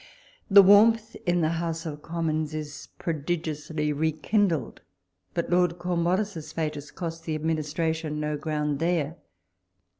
The warmth in the House of Commons is prodigiously rekindled ; but Lord Corn wallis's fate has cost the Administration no IS'l walpole's letters. ground there.